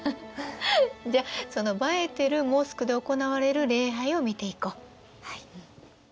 じゃその映えてるモスクで行われる礼拝を見ていこう。